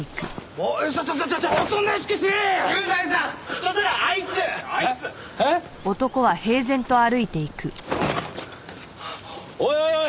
おいおいおいおい！